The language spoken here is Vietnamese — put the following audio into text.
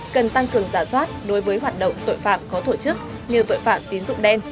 cần tăng cường giả soát đối với hoạt động tội phạm có tổ chức như tội phạm tín dụng đen